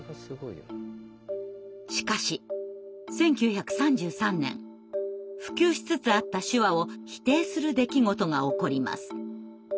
しかし１９３３年普及しつつあった手話を否定する出来事が起こります。